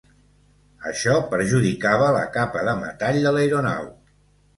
Això perjudicava la capa de metall de l'aeronau.